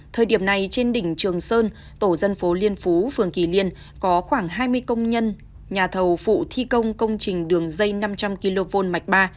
thời điểm này trên đỉnh trường sơn tổ dân phố liên phú phường kỳ liên có khoảng hai mươi công nhân nhà thầu phụ thi công công trình đường dây năm trăm linh kv mạch ba